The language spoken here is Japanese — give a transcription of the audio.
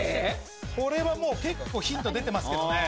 これは結構ヒント出てますけどね。